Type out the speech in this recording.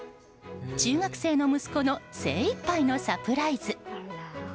中学生の息子の精一杯のサプライズ。